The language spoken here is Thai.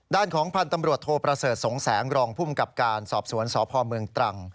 ด้านของพันธ์ตำรวจโทประเสริฐสงแสงรองภูมิกับการสอบสวนสพเมืองตรัง